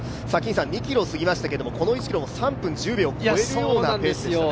２ｋｍ過ぎましたけど、この１ｋｍも３分１０秒を超えるようなペースでしたね